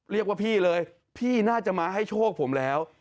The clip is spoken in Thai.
เรียกว่าพี่เลยพี่น่าจะมาให้โชคผมแล้ว